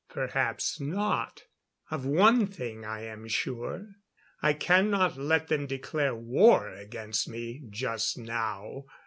Perhaps not. Of one thing I am sure. I cannot let them declare war against me just now.